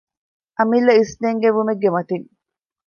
އަމިއްލަ އިސްނެންގެވުމެއްގެ މަތިން